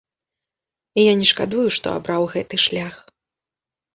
І я не шкадую, што абраў гэты шлях.